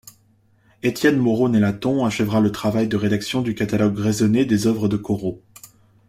Étienne Moreau-Nélaton achèvera le travail de rédaction du catalogue raisonné des œuvres de Corot.